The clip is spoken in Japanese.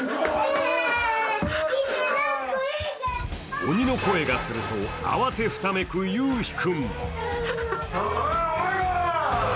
鬼の声がすると慌てふためく、ゆうひ君。